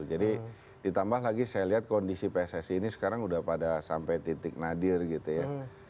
jadi ditambah lagi saya lihat kondisi pssi ini sekarang udah pada sampai titik nadir gitu ya